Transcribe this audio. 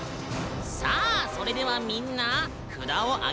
さあそれではみんな札を挙げてもらうよ。